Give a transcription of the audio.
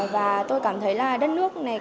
và tôi cảm thấy là đất nước này